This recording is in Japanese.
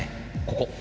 ここ。